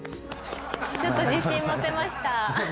ちょっと自信持てました。